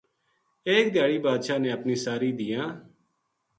ایک دھیاڑی بادشاہ نے اپنی ساری دھیاں